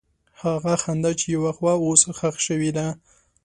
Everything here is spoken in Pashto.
هغه خندا چې یو وخت وه، اوس ښخ شوې ده.